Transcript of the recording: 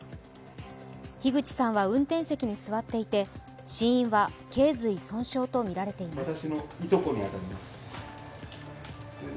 樋口さんは、運転席に座っていて死因は頸髄損傷とみられています。